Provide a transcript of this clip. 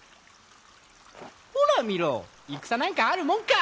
ほら見ろ戦なんかあるもんか！